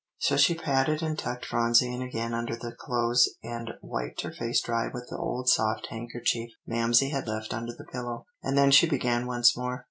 So she patted and tucked Phronsie in again under the clothes, and wiped her face dry with the old soft handkerchief Mamsie had left under the pillow, and then she began once more.